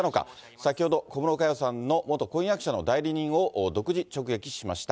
先ほど、小室佳代さんの元婚約者の代理人を独自直撃しました。